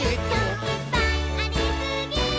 「いっぱいありすぎー！！」